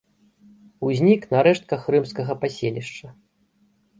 Узнік на рэштках рымскага паселішча.